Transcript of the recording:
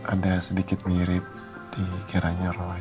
ada sedikit mirip dikiranya rumah